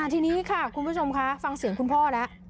ทีนี้ค่ะคุณผู้ชมคะฟังเสียงคุณพ่อแล้ว